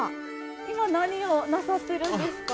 今何をなさってるんですか？